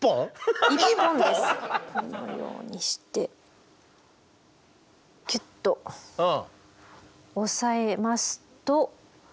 このようにしてギュッと押さえますと。